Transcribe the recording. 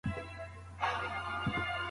زموږ په منځ کې د لوست آلاتو ته اړتیا ده.